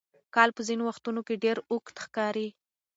کال په ځینو وختونو کې ډېر اوږد ښکاري.